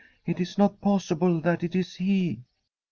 It is not possible that it is he!'